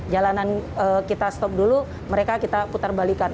jalanan kita stop dulu mereka kita putar balikan